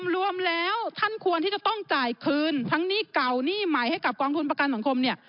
รวมแล้วท่านควรที่จะต้องจ่ายคืนทั้งหนี้เก่าหนี้ใหม่ให้กับกองทุนประกันสังคมเนี่ย